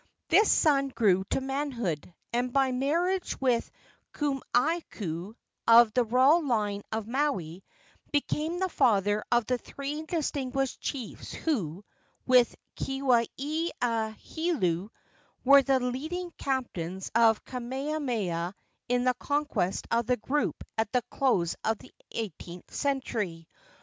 This son grew to manhood, and by marriage with Kumaiku, of the royal line of Maui, became the father of the three distinguished chiefs who, with Keawe a Heulu, were the leading captains of Kamehameha in the conquest of the group at the close of the eighteenth century.